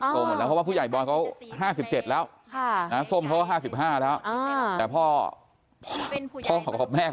เพราะผู้ใหญ่บอยเขา๕๗แล้วส้มเขา๕๕แล้วแต่พ่อพ่อของแม่